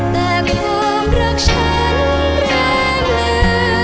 แต่ความรักฉันแรมเลย